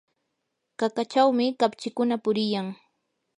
qaqachawmi kapchikuna puriyan.